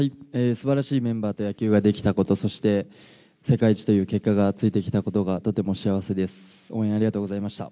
すばらしいメンバーと野球ができたこと、そして、世界一という結果がついてきたことがとても幸せです。